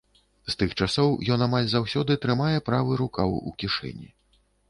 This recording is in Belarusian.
З тых часоў ён амаль заўсёды трымае правы рукаў у кішэні.